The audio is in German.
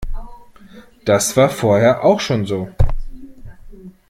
Das war vorher auch schon so.